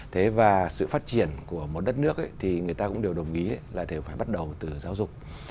thế và sự phát triển của một đất nước thì người ta cũng đều đồng ý là đều phải bắt đầu từ giáo dục